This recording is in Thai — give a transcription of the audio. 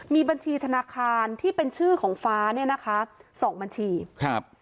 มีบัญชีธนาคารที่เป็นชื่อของฟ้าเนี่ยนะคะสองบัญชีครับ